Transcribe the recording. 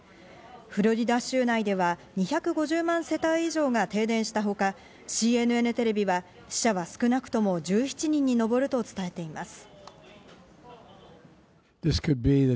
フロリダ州内では２５０万世帯以上が停電したほか、ＣＮＮテレビは死者は少なくとも１７人に上ると伝えています。